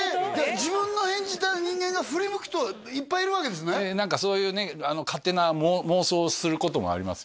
自分の演じた人間が振り向くといっぱいいるわけですね何かそういうね勝手な妄想をすることもあります